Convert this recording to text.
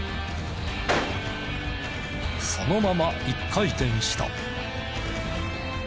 そのまま一回転した。